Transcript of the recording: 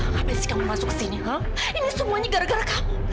kenapa kamu masuk ke sini ini semuanya gara gara kamu